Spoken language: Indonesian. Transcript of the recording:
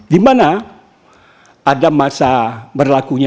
dimana ada masa berlakunya